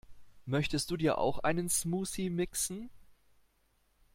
Möchtest du dir auch einen Smoothie mixen?